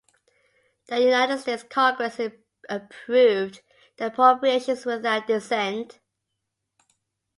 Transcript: The United States Congress approved the appropriations without dissent.